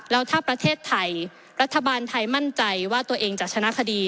แล้วถ้าประเทศไทยรัฐบาลไทยมั่นใจว่าตัวเองจะชนะคดี